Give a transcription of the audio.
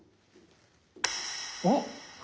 おっ。